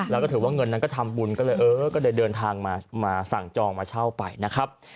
แล้วก็ถือว่าเงินนั้นก็ทำบุญก็เลยเออก็เลยเดินทางมาสั่งจองมาเช่าไปนะครับ